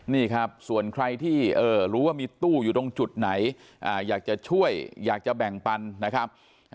นี่ครับส่วนใครที่รู้ว่ามีตู้อยู่ตรงจุดไหนอยากจะช่วยอยากจะแบ่งปันนะครับ